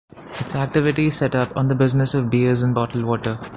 Its activity is set up on the business of Beers and bottled Water.